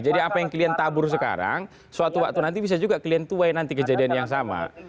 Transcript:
jadi apa yang kalian tabur sekarang suatu waktu nanti bisa juga kalian tuai nanti kejadian yang sama